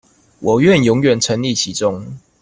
我願永遠沈溺其中